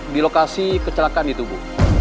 di lokasi kecelakaan itu bu